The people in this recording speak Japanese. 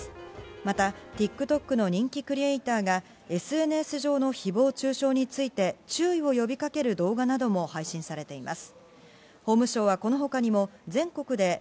また、ＴｉｋＴｏｋの人気クリエイターがＳＮＳ上の誹謗中傷について注意を呼びかける動画なども配信されています。